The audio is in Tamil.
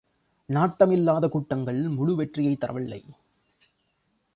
நாட்டம் இல்லாத கூட்டங்கள் முழு வெற்றியைத்தரவில்லை.